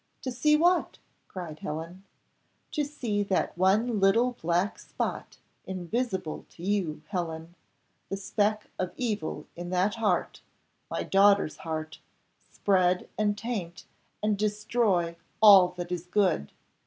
"To see what?" cried Helen. "To see that one little black spot, invisible to you, Helen, the speck of evil in that heart my daughter's heart spread and taint, and destroy all that is good.